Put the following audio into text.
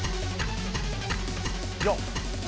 ４。